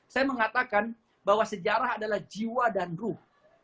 saya mengatakan bahwa sejarah adalah jiwa dan ruh